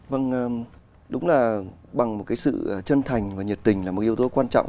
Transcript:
vâng đúng là bằng một cái sự chân thành và nhiệt tình là một yếu tố quan trọng